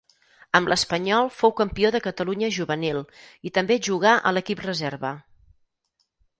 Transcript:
Amb l'Espanyol fou campió de Catalunya juvenil i també jugà a l'equip reserva.